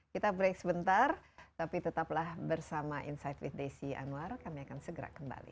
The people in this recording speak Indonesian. kita break sebentar tapi tetaplah bersama insight with desi anwar kami akan segera kembali